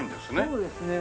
そうですね。